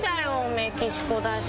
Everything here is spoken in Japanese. メキシコだし。